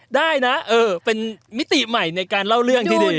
ได้นะเออเป็นมิติใหม่ในการเล่าเรื่องที่ดี